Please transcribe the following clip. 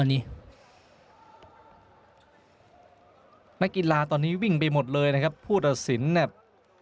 นี่นักกีฬาตอนนี้วิ่งไปหมดเลยนะครับผู้ตัดสินเนี่ย